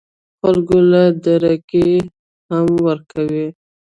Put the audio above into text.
خلکو له دړکې هم ورکوي